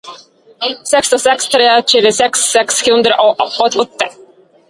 seks to seks tre tjueseks seks hundre og åtti